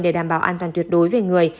để đảm bảo an toàn tuyệt đối về người